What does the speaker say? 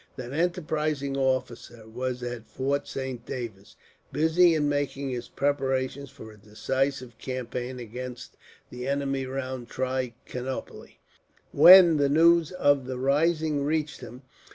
That enterprising officer was at Fort Saint David, busy in making his preparations for a decisive campaign against the enemy round Trichinopoli, when the news of the rising reached him.